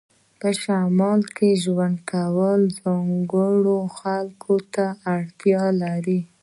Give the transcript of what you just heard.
په شمال کې ژوند کول ځانګړو خلکو ته اړتیا لري